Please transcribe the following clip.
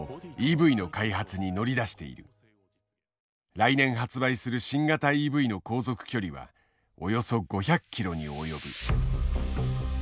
来年発売する新型ＥＶの航続距離はおよそ５００ｋｍに及ぶ。